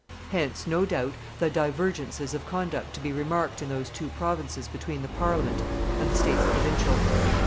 Hence, no doubt, the divergences of conduct to be remarked in those two provinces between the Parliament and the states provincial.